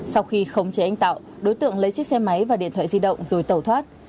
sau khi khống chế anh tạo đối tượng lấy chiếc xe máy và điện thoại di động rồi tẩu thoát